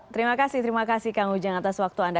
terima kasih terima kasih kang ujang atas waktu anda